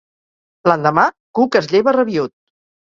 L'endemà Cook es lleva rabiüt.